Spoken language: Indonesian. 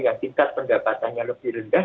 yang tingkat pendapatannya lebih rendah